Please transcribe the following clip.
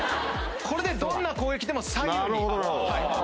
これでどんな攻撃でも左右に。